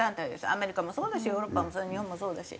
アメリカもそうだしヨーロッパもそう日本もそうだし。